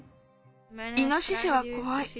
イノシシはこわい。